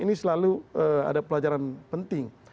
ini selalu ada pelajaran penting